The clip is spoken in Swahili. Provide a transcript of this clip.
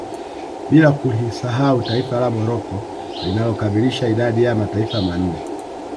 Bila kulisahau taifa la Morocco linalo kamilisha idadi ya mataifa manne